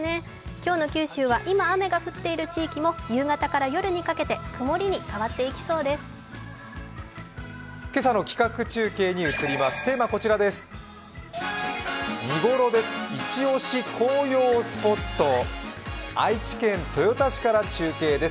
今日の九州は今、雨が降っている地域も夕方から夜にかけて曇りに変わっていきそうです。